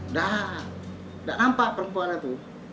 nggak nggak nampak perempuan itu